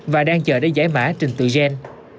và đang chờ để giải mã trình tự gen